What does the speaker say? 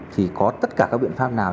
thì có tất cả các biện pháp nào